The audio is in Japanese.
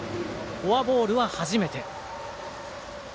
フォアボールは初めて。